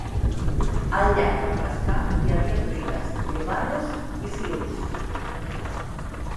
Al llac per pescar hi havia truites, llobarros i silurs.